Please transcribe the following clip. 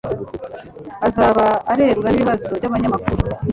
azaba arebwa n'ibibazo by'abanyamakuru